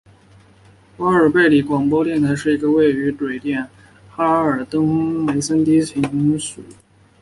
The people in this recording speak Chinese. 瓦尔贝里广播电台是一个位于瑞典哈兰省瓦尔贝里格里梅顿的低频传送设备。